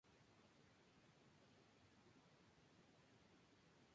Ellos huyen y llegan al parque pero está bloqueado por los guardias de Claudia.